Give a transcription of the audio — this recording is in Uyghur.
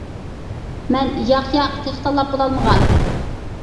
مەن: ياق، ياق، تېخى تاللاپ بولالمىغان.